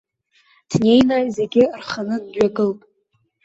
Днеины зегьы рханы дҩагылт.